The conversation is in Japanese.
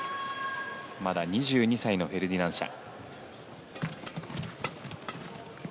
まだ２２歳のフェルディナンシャ。